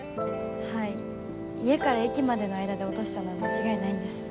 はい家から駅までの間で落としたのは間違いないんです。